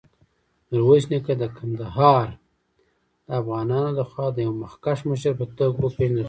میرویس نیکه د کندهار دافغانانودخوا د یوه مخکښ مشر په توګه وپېژندل شو.